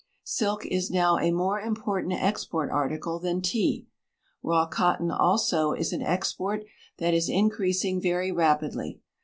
Silk is now a more important export article than tea. Raw cot ton, also, is an export that is increasing very rapidly.